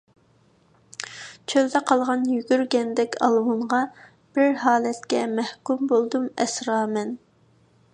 چۆلدە قالغان يۈگۈرگەندەك ئالۋۇنغا، بىر ھالەتكە مەھكۇم بولدۇم، ئەسرامەن.